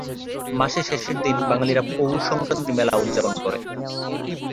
মাসের শেষের দিন বাঙালিরা পৌষ সংক্রান্তির মেলা উৎযাপন করে।